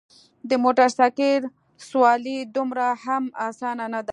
د موټرسایکل سوارلي دومره هم اسانه نده.